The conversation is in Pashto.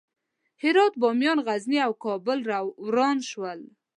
هرات، بامیان، غزني او کابل وران شول.